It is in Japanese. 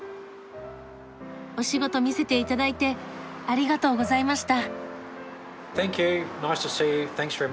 お仕事見せていただいてありがとうございました。